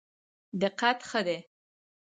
دقت ښه دی.